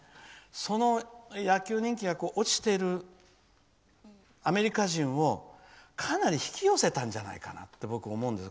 その野球人気が落ちてるアメリカ人をかなり引き寄せたんじゃないかと僕は思うんです。